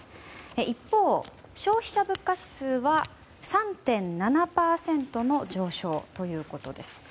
一方、消費者物価指数は３．７％の上昇ということです。